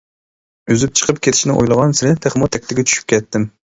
ئۈزۈپ چىقىپ كېتىشنى ئويلىغانسېرى، تېخىمۇ تەكتىگە چۈشۈپ كەتتىم.